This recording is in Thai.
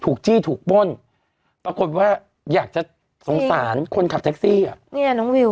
จี้ถูกป้นปรากฏว่าอยากจะสงสารคนขับแท็กซี่อ่ะเนี่ยน้องวิว